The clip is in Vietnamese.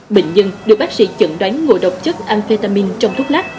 bệnh nhân được bác sĩ chẩn đoán ngộ độc chất anetamin trong thuốc lắc